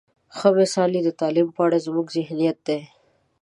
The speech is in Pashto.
ښه مثال یې د تعلیم په اړه زموږ ذهنیت دی.